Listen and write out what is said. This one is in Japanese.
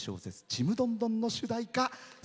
「ちむどんどん」の主題歌。